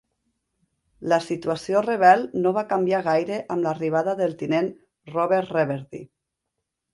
La situació rebel no va canviar gaire amb l'arribada del tinent Robert Reverdy.